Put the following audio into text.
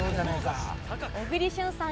小栗旬さん